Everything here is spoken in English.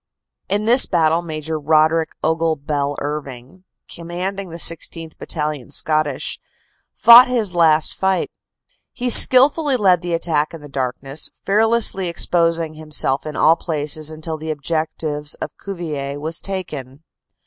In this battle Major Roderick Ogle Bell Irving, command OPERATIONS: SEPT. 30 OCT. 2. CONTINUED 265 ing the 16th. Battalion, Canadian Scottish, fought his last fight. He skilfully led the attack in the darkness, fearlessly exposing himself in all phases until the objective of Cuvillers was taken.